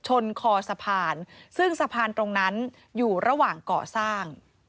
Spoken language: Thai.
ชนคอสะพานซึ่งสะพานตรงนั้นอยู่ระหว่างก่อสร้าง